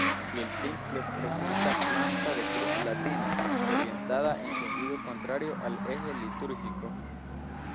El templo presenta planta de cruz latina, orientada en sentido contrario al eje litúrgico.